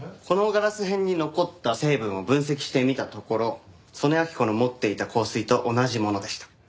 このガラス片に残った成分を分析してみたところ曽根明子の持っていた香水と同じものでした。